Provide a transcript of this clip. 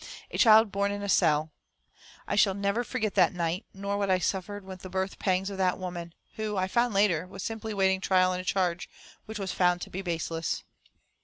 A child born in a cell! I shall never forget that night, nor what I suffered with the birth pangs of that woman, who, I found later, was simply waiting trial on a charge which was found to be baseless.